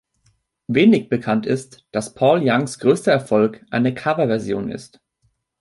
Wenig bekannt ist, dass Paul Youngs größter Erfolg eine Coverversion ist.